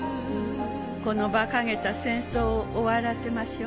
このばかげた戦争を終わらせましょう。